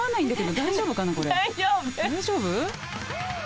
大丈夫？